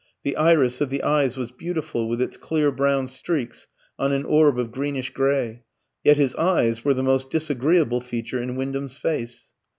The iris of the eyes was beautiful, with its clear brown streaks on an orb of greenish grey; yet his eyes were the most disagreeable feature in Wyndham's face.